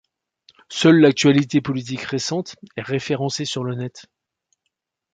Seule l'actualité politique récente est référencé sur le net.